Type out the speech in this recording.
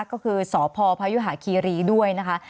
ก็คือสพพยุหาคีรีด้วยนะคะ